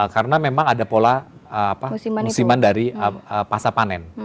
karena memang ada pola musiman dari pasapane